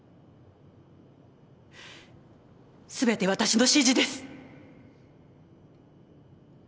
全て私の指示です。